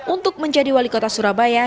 untuk menjadi wali kota surabaya